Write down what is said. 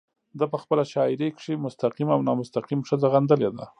ده په خپله شاعرۍ کې مستقيم او نامستقيم ښځه غندلې ده